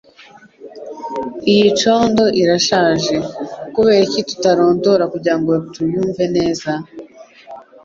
Iyi condo irashaje. Kuberiki tutarondora kugirango tuyumve neza?